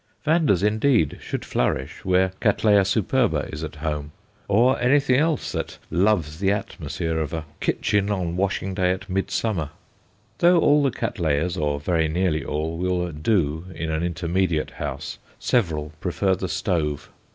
Vandas, indeed, should flourish where Cattleya superba is at home, or anything else that loves the atmosphere of a kitchen on washing day at midsummer. Though all the Cattleyas, or very nearly all, will "do" in an intermediate house, several prefer the stove.